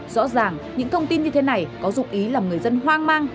rõ ràng những thông tin như thế này có dục ý làm người dân hoang mang